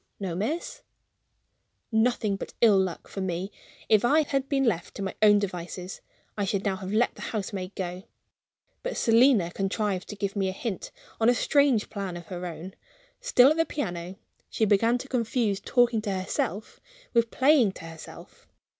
"No, miss." Nothing but ill luck for me! If I had been left to my own devices, I should now have let the housemaid go. But Selina contrived to give me a hint, on a strange plan of her own. Still at the piano, she began to confuse talking to herself with playing to herself.